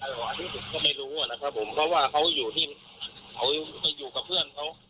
อันนี้ผมก็ไม่รู้นะครับผมเพราะว่าเขาอยู่ที่เขาไปอยู่กับเพื่อนเขา